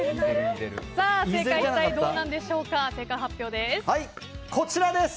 正解は一体どうなんでしょうか。